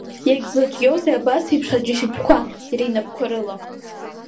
Иагьзлаҿиозеи абас еиԥш аџьашьатәқәа Иара инапқәа рыла?